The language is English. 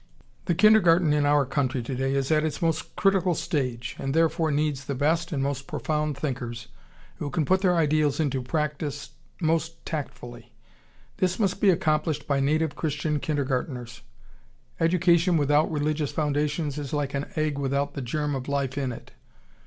] The kindergarten in our country today is at its most critical stage, and therefore needs the best and most profound thinkers who can put their ideals into practice most tactfully. This must be accomplished by native Christian kindergartners. Education without religious foundations is like an egg without the germ of life in it.